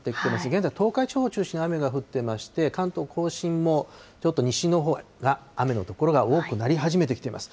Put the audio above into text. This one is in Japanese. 現在、東海地方を中心に雨が降ってまして、関東甲信もちょっと西のほうが、雨の所が多くなり始めてきています。